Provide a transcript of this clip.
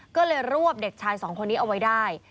ก็เลยรวบเด็กชายสองคนนี้เอาไว้ได้